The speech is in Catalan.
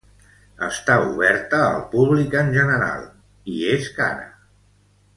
Està oberta al públic en general i és cara.